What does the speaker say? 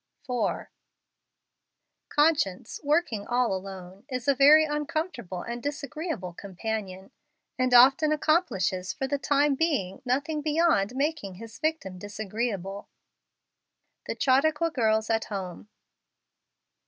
5 6 JANUARY. 4. Conscience, working all alone, is a very uncomfortable and disagreeable com¬ panion, and often accomplishes for the time being nothing beyond making his victim disagreeable. The Chautauqua Girls at Home.